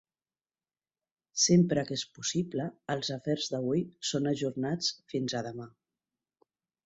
Sempre que és possible, els afers d'avui són ajornats fins a demà.